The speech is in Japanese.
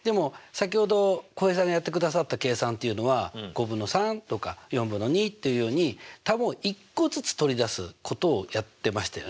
先ほど浩平さんがやってくださった計算っていうのは５分の３とか４分の２というように球を１個ずつ取り出すことをやってましたよね。